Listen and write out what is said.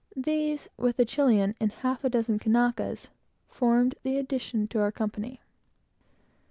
These, with a Chilian, and a half a dozen Kanakas, formed the addition to our company.